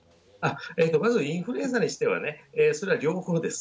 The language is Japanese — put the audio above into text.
まずインフルエンザにしては、それは両方です。